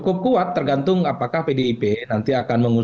cukup kuat tergantung apakah pdip nanti akan mengusung